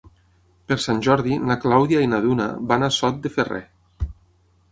Per Sant Jordi na Clàudia i na Duna van a Sot de Ferrer.